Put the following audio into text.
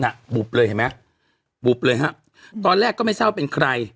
บุบเลยเห็นไหมบุบเลยฮะตอนแรกก็ไม่ทราบเป็นใคร